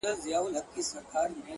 ښامار په زړه وهلی له کلو راهيسې-